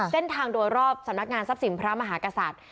เส้นทางโดยรอบสำนักงานทรัพย์สินพระมหากษัตริย์